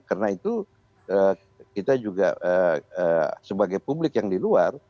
karena itu kita juga sebagai publik yang di luar